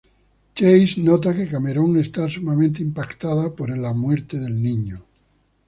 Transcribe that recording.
Chase nota que Cameron está sumamente impactada por la muerte del niño.